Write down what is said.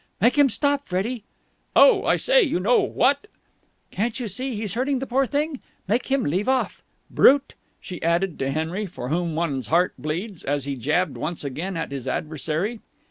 "Make him stop, Freddie!" "Oh, I say, you know, what?" "Can't you see he's hurting the poor thing? Make him leave off! Brute!" she added to Henry (for whom one's heart bleeds), as he jabbed once again at his adversary.